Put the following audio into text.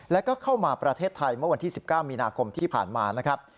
แล้วก็เข้ามาประเทศไทยเมื่อวันที่๑๙มีนาคมที่ผ่านมานะครับ